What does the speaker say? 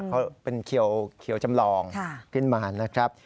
เขาเป็นเขียวจำลองขึ้นมานะครับ